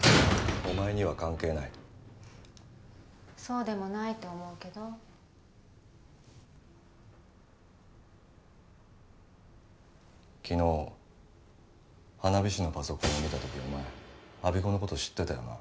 お前には関係ないそうでもないと思うけど昨日花火師のパソコンを見たときお前我孫子のこと知ってたよな